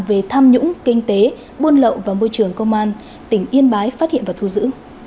về tham nhũng kinh tế buôn lậu và môi trường công an tỉnh yên bái phát hiện và thu giữ